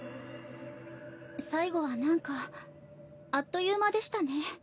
最後はなんかあっという間でしたね。